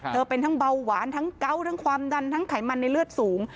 เป็นทั้งเบาหวานทั้งเกาะทั้งความดันทั้งไขมันในเลือดสูง